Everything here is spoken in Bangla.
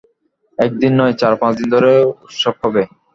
একদিন নয়, চার-পাঁচ দিন ধরে উৎসব হবে।